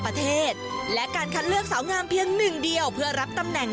ประเทศและการคัดเลือกสาวงามเพียงหนึ่งเดียวเพื่อรับตำแหน่ง